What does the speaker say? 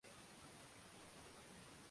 vijana hao walikuwa wakiumwa ugonjwa wa ngozi